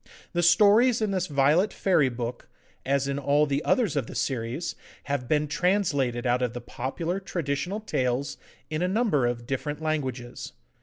The stories in this Violet Fairy Book, as in all the others of the series, have been translated out of the popular traditional tales in a number of different languages.